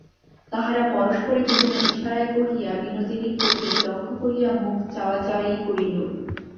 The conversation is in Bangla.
তাহারা পরস্পরে কী যেন ইশারায় কহিয়া বিনোদিনীর প্রতি লক্ষ করিয়া মুখ চাওয়া-চাওয়ি করিল।